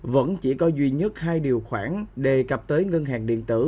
vẫn chỉ có duy nhất hai điều khoản đề cập tới ngân hàng điện tử